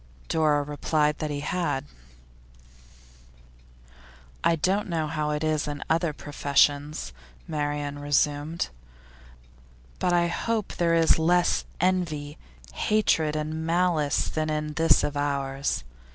Dora replied that he had. 'I don't know how it is in other professions,' Marian resumed, 'but I hope there is less envy, hatred and malice than in this of ours.